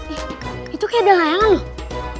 itu kayak ada layangan loh